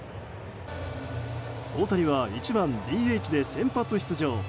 大谷は１番ＤＨで先発出場。